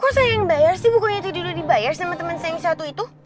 kok saya yang bayar sih bukunya tidur di bayar sama temen saya yang satu itu